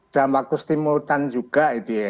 dalam waktu stimulan juga